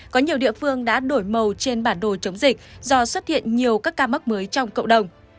có nhiều địa phương đã đổi màu trên bản đồ chống dịch do xuất hiện nhiều các ca mắc mới trong cộng đồng